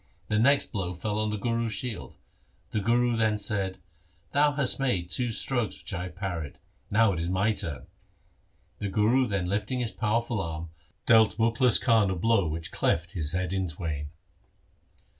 The next blow fell on the Guru's shield. The Guru then said, ' Thou hast made two strokes which I have parried. Now it is my turn.' The Guru then lifting his powerful arm dealt Mukhlis Khan a blow which cleft his head in twain.